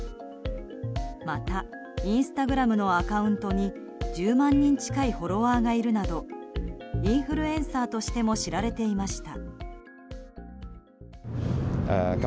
また、インスタグラムのアカウントに１０万人近いフォロワーがいるなどインフルエンサーとしても知られていました。